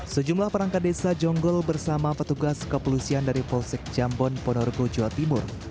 sejumlah perangkat desa jonggol bersama petugas kepolisian dari polsek jambon ponorogo jawa timur